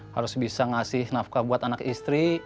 harus bisa ngasih nafkah buat anak istri